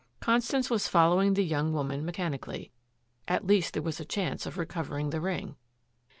Constance was following the young woman mechanically. At least there was a chance of recovering the ring.